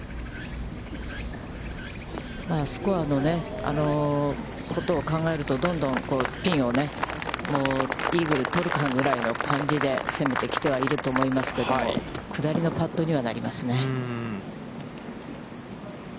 スコアのことを考えると、どんどんピンをイーグル取るかぐらいの感じで攻めている人はいると思いますけれども、下りのパットにはなりますね。